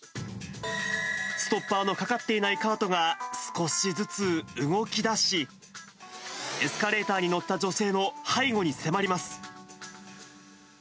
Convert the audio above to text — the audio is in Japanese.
ストッパーのかかっていないカートが、少しずつ動きだし、エスカレーターに乗った女性の背後に迫ります。